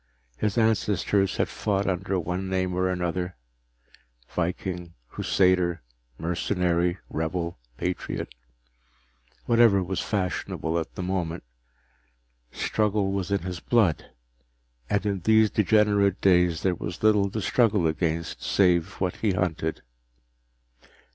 His ancestors had fought under one name or another viking, Crusader, mercenary, rebel, patriot, whatever was fashionable at the moment. Struggle was in his blood, and in these degenerate days there was little to struggle against save what he hunted.